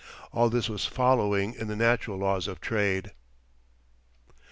All this was following in the natural laws of trade.